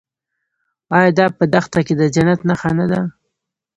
آیا دا په دښته کې د جنت نښه نه ده؟